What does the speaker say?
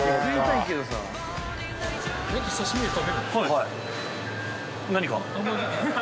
はい。